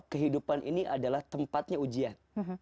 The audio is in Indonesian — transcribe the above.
kehidupan ini adalah tempatnya ujian